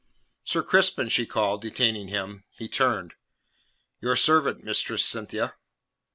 "Sir Crispin," she called, detaining him. He turned. "Your servant, Mistress Cynthia."